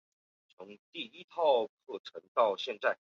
迁福建参政。